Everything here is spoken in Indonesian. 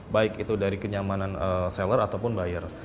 baik itu dari kenyamanan seller ataupun buyer